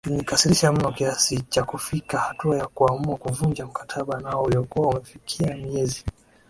kilinikasirisha mno kiasi cha kufikia hatua ya kuamua kuvunja mkataba nao uliokuwa umefikia miezi